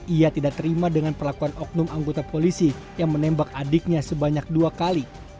ia tidak terima dengan perlakuan oknum anggota polisi yang menembak adiknya sebanyak dua kali